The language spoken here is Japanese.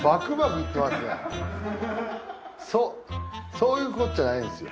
そういうことじゃないんですよ。